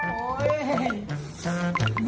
โอ่โดนไปแล้ว